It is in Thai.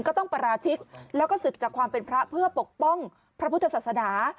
ก็ต้องปราชิกแล้วก็ศึกจากความเป็นพระเพื่อปกป้องพระพุทธศาสนา